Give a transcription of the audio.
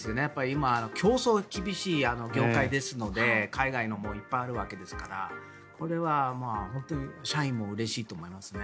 今、競争が厳しい業界ですので海外のほうもいっぱいあるわけですからこれは本当に社員もうれしいと思いますね。